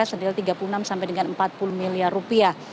senilai tiga puluh enam sampai dengan empat puluh miliar rupiah